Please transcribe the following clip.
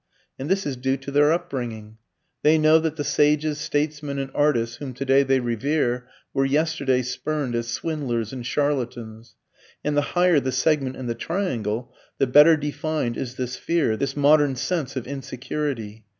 And this is due to their upbringing. They know that the sages, statesmen and artists whom today they revere, were yesterday spurned as swindlers and charlatans. And the higher the segment in the triangle, the better defined is this fear, this modern sense of insecurity.